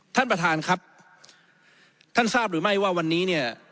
ท่านประธานครับท่านทราบหรือไม่ว่าวันนี้เนี่ย